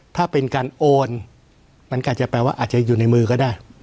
ถ้าเป็นการโอนมันก็อาจจะแปลว่าอาจจะอยู่ในมือก็ได้